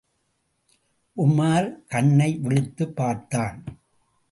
உமார் கண்ணை விழித்துப் பார்த்தான்.